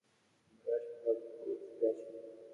উত্তরের ঘরে তক্তাপোশে অপু ও দুর্গ শুইয়া আছে।